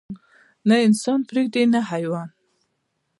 نه انسان پرېږدي نه حيوان.